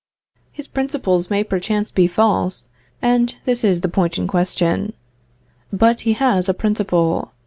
His principles may perchance be false, and this is the point in question. But he has a principle.